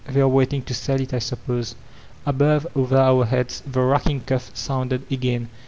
They're waiting to sell it, I suppose." Above, over our heads, the racking cough soonded again.